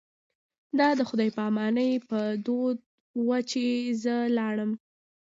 دا د خدای په امانۍ په دود و چې زه لاړم.